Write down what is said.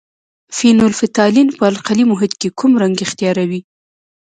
فینول فتالین په القلي محیط کې کوم رنګ اختیاروي؟